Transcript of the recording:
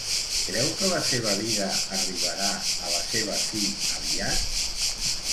Creu que la seva vida arribarà a la seva fi aviat?